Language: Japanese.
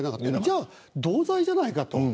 じゃあ同罪じゃないかと。